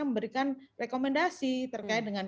memberikan rekomendasi terkait dengan